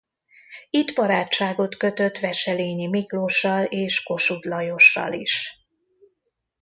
Itt barátságot kötött Wesselényi Miklóssal és Kossuth Lajossal is.